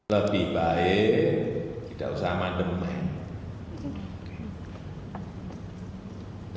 lebih baik kita usah aman demen